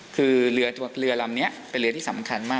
คือเรือลำนี้เป็นเรือที่สำคัญมาก